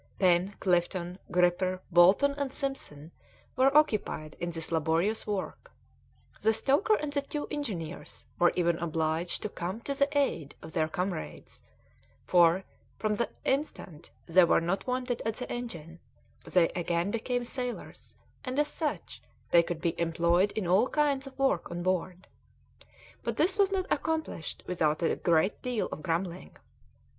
Pen, Clifton, Gripper, Bolton, and Simpson were occupied in this laborious work; the stoker and the two engineers were even obliged to come to the aid of their comrades, for, from the instant they were not wanted at the engine, they again became sailors, and, as such, they could be employed in all kinds of work on board. But this was not accomplished without a great deal of grumbling.